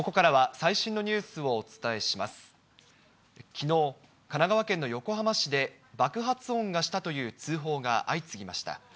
きのう、神奈川県の横浜市で、爆発音がしたという通報が相次ぎました。